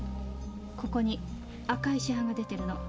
ここに赤い紫斑が出ているの。